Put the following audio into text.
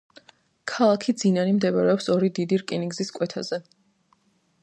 ქალაქი ძინანი მდებარეობს ორი დიდი რკინიგზის კვეთაზე.